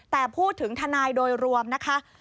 แต่พูดถึงฐรวมนะคะ